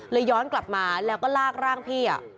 ย้อนกลับมาแล้วก็ลากร่างพี่